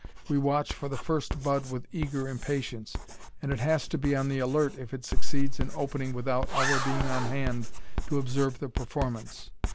We watch for the first bud with eager impatience, and it has to be on the alert if it succeeds in opening without our being on hand to observe the performance.